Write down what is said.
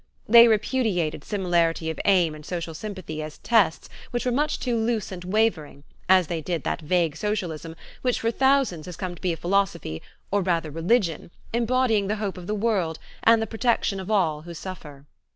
They repudiated similarity of aim and social sympathy as tests which were much too loose and wavering as they did that vague socialism which for thousands has come to be a philosophy or rather religion embodying the hope of the world and the protection of all who suffer.